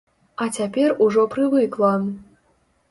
А цяпер ужо прывыкла.